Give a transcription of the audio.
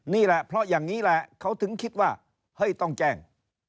นี่แหละเพราะอย่างนี้แหละเขาถึงคิดว่าเฮ้ยต้องแจ้ง